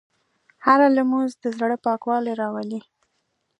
هره لمونځ د زړه پاکوالی راولي.